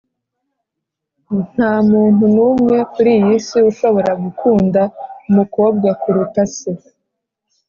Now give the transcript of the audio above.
“nta muntu n'umwe kuri iyi si ushobora gukunda umukobwa kuruta se.”